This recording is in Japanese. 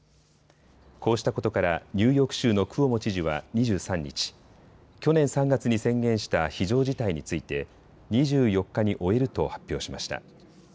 こうしたことからニューヨーク州のクオモ知事は２３日、去年３月に宣言した非常事態について２４日に終えると発表しました。